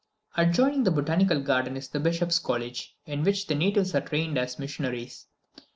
Adjoining the Botanical Garden is the Bishop's College, in which the natives are trained as missionaries.